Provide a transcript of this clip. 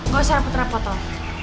gak usah rapet rapet tau